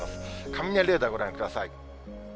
雷レーダーご覧ください。